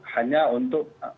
hanya untuk memperhatikan